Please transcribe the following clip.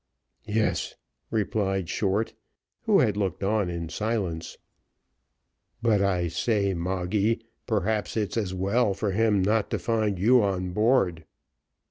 "Yes," replied Short, who had looked on in silence. "But, I say, Moggy, perhaps it's as well for him not to find you on board."